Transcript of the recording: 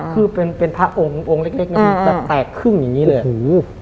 คือเป็นพระองค์เล็กนะครับแต่แตกครึ่งอย่างนี้เลย